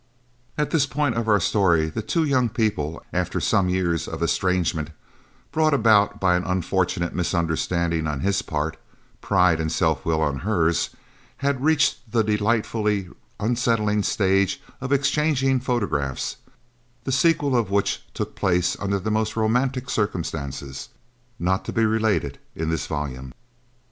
At this point of our story the two young people, after some years of estrangement, brought about by an unfortunate misunderstanding on his part, pride and self will on hers, had reached the delightfully unsettling stage of exchanging photographs, the sequel of which took place under the most romantic circumstances, not to be related in this volume.